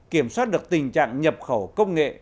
kiểm soát được tình trạng nhập khẩu công nghệ